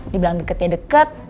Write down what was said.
dibilang deketnya deket